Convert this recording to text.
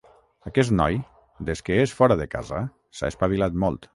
Aquest noi, des que és fora de casa, s'ha espavilat molt.